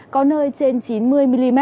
có nơi trên chín mươi mm